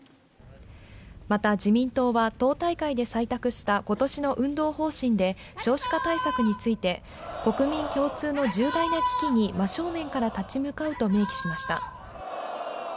また、自民党は党大会で採択したことしの運動方針で、少子化対策について、国民共通の重大な危機に真正面から立ち向かうと明記しました。